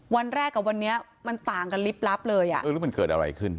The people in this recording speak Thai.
วันแรกกับวันนี้มันต่างกันลิบลับเลยอ่ะเออแล้วมันเกิดอะไรขึ้น